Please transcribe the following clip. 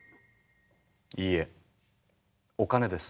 いいえお金です。